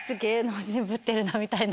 みたいな。